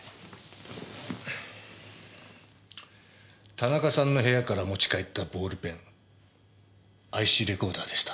田中さんの部屋から持ち帰ったボールペンＩＣレコーダーでした。